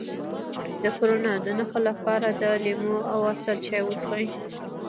د کرونا د نښو لپاره د لیمو او عسل چای وڅښئ